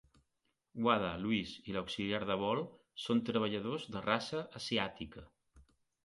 Wada, Louis i l'auxiliar de vol són treballadors de raça asiàtica.